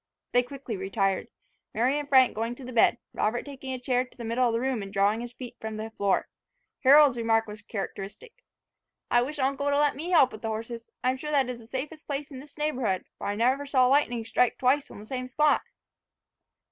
They quickly retired; Mary and Frank going to the bed, Robert taking a chair to the middle of the room, and drawing up his feet from the floor. Harold's remark was characteristic. "I wish uncle would let me help with the horses. I am sure that that is the safest place in this neighbourhood; for I never saw lightning strike twice on the same spot."